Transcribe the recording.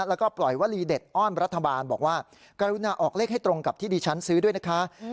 แล้วก็ปล่อยวลีเด็ดอ้อนรัฐบาลบอกว่ากรุณาออกเลขให้ตรงกับที่ดิฉันซื้อด้วยนะคะ